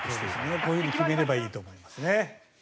こういうふうに決めればいいと思いますね。